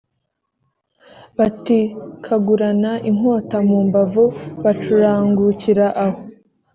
batikagurana inkota mu mbavu bacurangukira aho